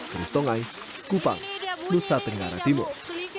kristongai kupang lusa tenggara timur